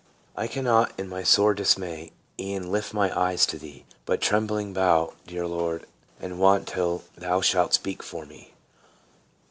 " I cannot, in my sore dismay, E'en lift my eyes to thee ; But trembling bow, dear Lord, and wait Till thou shalt speak for me."